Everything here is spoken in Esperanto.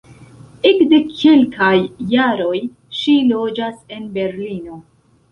Ekde kelkaj jaroj ŝi loĝas en Berlino.